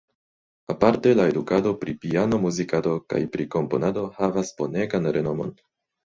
Aparte la edukado pri piano-muzikado kaj pri komponado havas bonegan renomon.